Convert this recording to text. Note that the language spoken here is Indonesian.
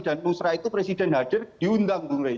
dan musrah itu presiden hadir diundang bung rey